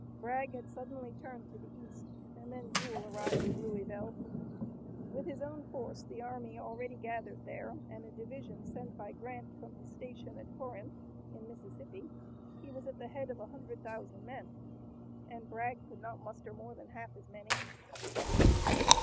Bragg had suddenly turned to the east, and then Buell arrived in Louisville. With his own force, the army already gathered there and a division sent by Grant from his station at Corinth, in Mississippi, he was at the head of a hundred thousand men, and Bragg could not muster more than half as many.